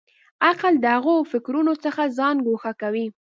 عقل د هغو فکرونو څخه ځان ګوښه کوي.